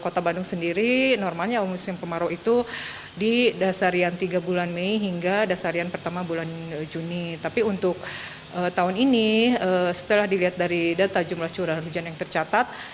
tapi untuk tahun ini setelah dilihat dari data jumlah curah hujan yang tercatat